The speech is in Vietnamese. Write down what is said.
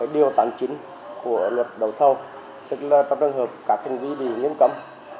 điều tạm chính của luật đấu thầu tức là tập đơn hợp các hình dị để nghiêm cấm